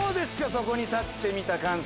そこに立ってみた感想。